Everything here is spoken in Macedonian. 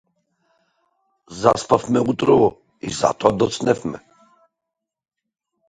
Заспавме утрово и затоа доцневме.